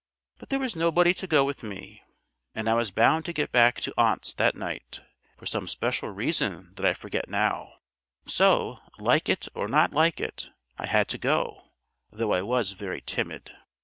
But there was nobody to go with me, and I was bound to get back to aunt's that night, for some special reason that I forget now; so like it or not like it I had to go, though I was very timid."